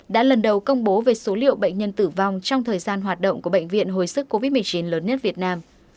đã lần đầu công bố về số liệu bệnh nhân tử vong trong thời gian hoạt động của bệnh viện hồi sức covid một mươi chín lớn nhất việt nam